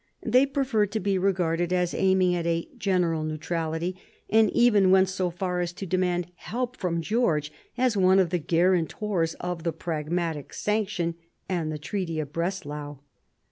They preferred to be regarded as aiming at a general neutrality, and even went so far as to demand help from George as one of the guarantors of the Pragmatic Sanction and the Treaty of Breslau.